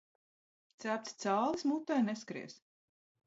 Cepts cālis mutē neskries.